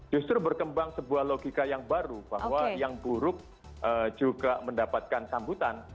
justru berkembang sebuah logika yang baru bahwa yang buruk juga mendapatkan sambutan